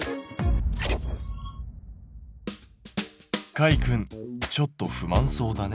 かいくんちょっと不満そうだね。